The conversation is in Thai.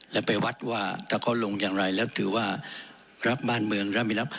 แล้วไปวัดว่าถ้าเขาลงอย่างไรแล้วถือว่ารับบ้านเมืองรับไม่รับ